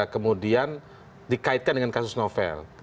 kemudian dikaitkan dengan kasus novel